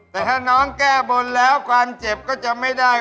แต่ถ้าน้องแก้บนแล้วความเจ็บก็จะไม่ได้